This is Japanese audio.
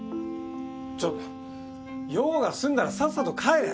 ちょっと用が済んだらさっさと帰れ。